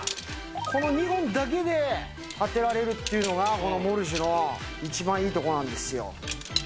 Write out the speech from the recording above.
この２本だけで建てられるっていうのがこのモルジュの一番いいとこなんですよ。